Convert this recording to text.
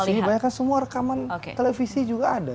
oh saksinya banyak kan semua rekaman televisi juga ada